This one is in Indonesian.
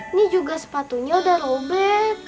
ini juga sepatunya udah robek